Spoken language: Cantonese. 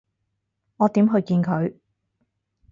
我點去見佢？